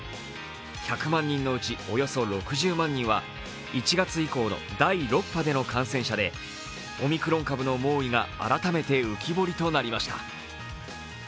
１００万人のうちおよそ６０万人は、１月以降の第６波の感染者でオミクロン株の猛威が改めて浮き彫りとなりました。